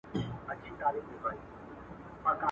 چي مي کور د رقیب سوځي دا لمبه له کومه راوړو.